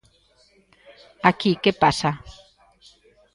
Aquí ¿que pasa?